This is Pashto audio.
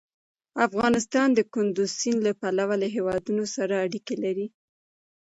افغانستان د کندز سیند له پلوه له هېوادونو سره اړیکې لري.